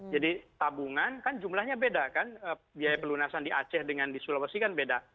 jadi tabungan kan jumlahnya beda kan biaya pelunasan di aceh dengan di sulawesi kan beda